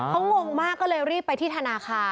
เขางงมากก็เลยรีบไปที่ธนาคาร